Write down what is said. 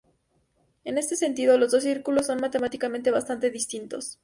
En este sentido, los dos círculos son matemáticamente bastante distintos.